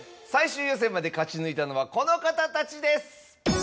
最終予選まで勝ち抜いたのはこの方たちです！